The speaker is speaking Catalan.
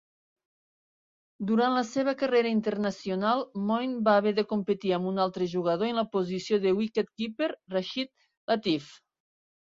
Durant la seva carrera internacional, Moin va haver de competir amb un altre jugador en la posició de wicket-keeper, Rashid Latif.